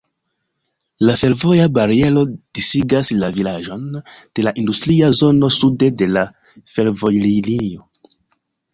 La fervoja bariero disigas la vilaĝon de la industria zono sude de la fervojlinio.